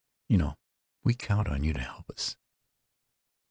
You know we count on you to help us."